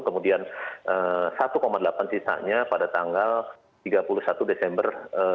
kemudian satu delapan sisanya pada tanggal tiga puluh satu desember dua ribu dua puluh